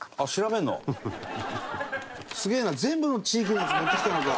すげえな全部の地域のやつ持ってきてるのか。